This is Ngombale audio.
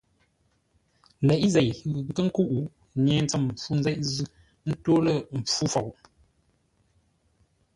Leʼé zei ghʉ nkə́ nkúʼ, nye ntsəm fû nzeʼ zʉ́ ńtó lə̂ mpfú fou.